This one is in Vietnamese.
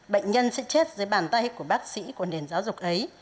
bệnh nhân sẽ chết dưới bàn tay của bác sĩ của nền giáo dục ấy